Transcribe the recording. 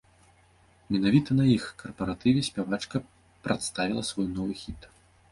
Менавіта на іх карпаратыве спявачка прадставіла свой новы хіт!